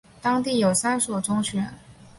当地有三所中学。